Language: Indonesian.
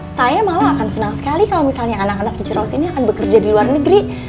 saya malah akan senang sekali kalau misalnya anak anak di ceros ini akan bekerja di luar negeri